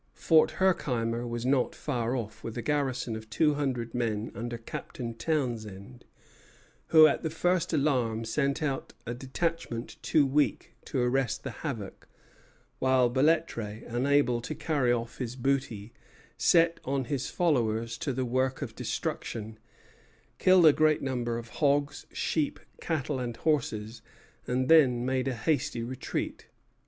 Fort Herkimer was not far off, with a garrison of two hundred men under Captain Townshend, who at the first alarm sent out a detachment too weak to arrest the havoc; while Belêtre, unable to carry off his booty, set on his followers to the work of destruction, killed a great number of hogs, sheep, cattle, and horses, and then made a hasty retreat.